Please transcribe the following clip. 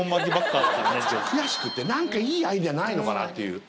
悔しくて何かいいアイデアないのかなっていう。